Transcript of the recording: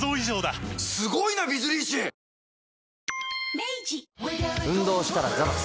明治運動したらザバス。